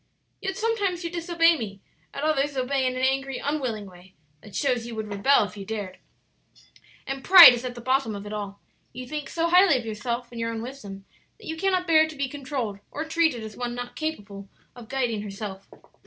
"Yet sometimes you disobey me; at others obey in an angry, unwilling way that shows you would rebel if you dared. "And pride is at the bottom of it all. You think so highly of yourself and your own wisdom that you cannot bear to be controlled or treated as one not capable of guiding herself.